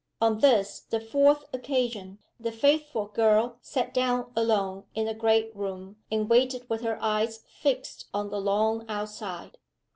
On this, the fourth occasion, the faithful girl sat down alone in the great room, and waited with her eyes fixed on the lawn outside.